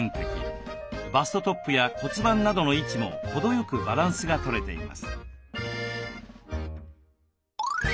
バストトップや骨盤などの位置も程よくバランスがとれています。